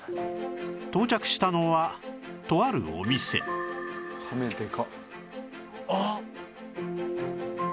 到着したのはとあるお店あっ！